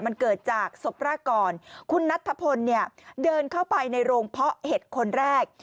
มันเกิดจากศพแรกก่อนคุณนัทธพลเนี่ยเดินเข้าไปในโรงเพาะเห็ดคนแรก